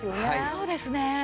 そうですね。